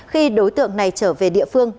khi đối tượng này trở về địa phương